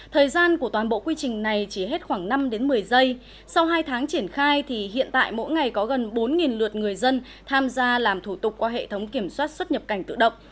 thời gian của toàn bộ quy trình này chỉ hết khoảng năm một mươi giây sau hai tháng triển khai thì hiện tại mỗi ngày có gần bốn lượt người dân tham gia làm thủ tục qua hệ thống kiểm soát xuất nhập cảnh tự động